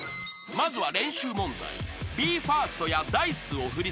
［まずは］